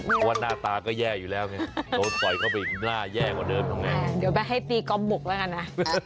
เดี๋ยวแม่งให้ตีก้อมหมวกและกันนะ